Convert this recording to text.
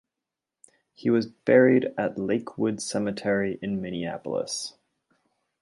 He was buried at Lakewood Cemetery in Minneapolis.